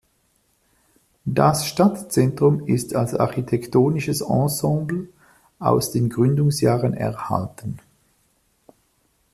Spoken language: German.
Das Stadtzentrum ist als architektonisches Ensemble aus den Gründungsjahren erhalten.